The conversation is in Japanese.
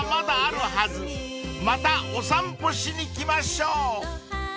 ［またお散歩しに来ましょう］